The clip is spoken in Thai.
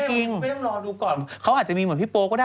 จริงไม่ต้องรอดูก่อนเขาอาจจะมีเหมือนพี่โป๊ก็ได้